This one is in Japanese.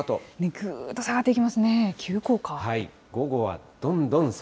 ぐーっと下がっていきますね、急降下。